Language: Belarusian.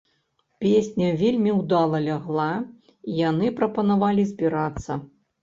Песня вельмі ўдала лягла, і яны прапанавалі збірацца.